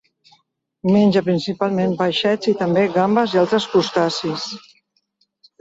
Menja principalment peixets i, també, gambes i altres crustacis.